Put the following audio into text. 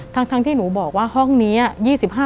ทั้งที่หนูบอกว่าห้องนี้